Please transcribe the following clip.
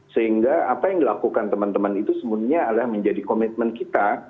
sehingga apa yang dilakukan teman teman itu sebenarnya adalah menjadi komitmen kita